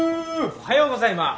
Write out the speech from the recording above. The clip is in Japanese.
おはようございます。